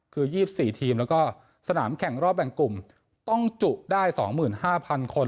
คือ๒๔ทีมแล้วก็สนามแข่งรอบแบ่งกลุ่มต้องจุได้๒๕๐๐คน